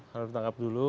harus ditangkap dulu